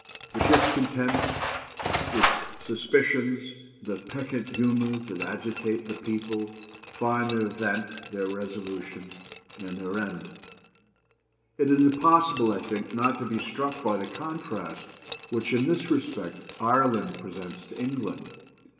The discontents, the suspicions, the peccant humours that agitate the people, find there their vent, their resolution, and their end. "It is impossible, I think, not to be struck by the contrast which, in this respect, Ireland presents to England.